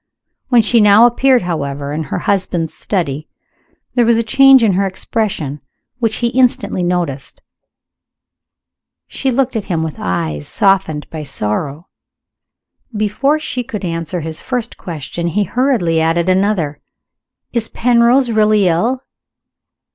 When she now appeared, however, in her husband's study, there was a change in her expression which he instantly noticed. She looked at him with eyes softened by sorrow. Before she could answer his first question, he hurriedly added another. "Is Penrose really ill?"